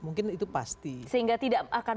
mungkin itu pasti sehingga tidak akan